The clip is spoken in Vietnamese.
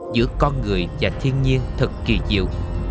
giữa con người và thiên nhiên thật kỳ diệu